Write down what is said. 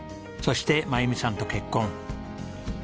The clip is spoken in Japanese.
そして真弓さんと結婚。